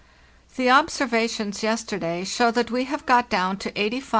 "The observations yesterday show that we have got down to 85° 37.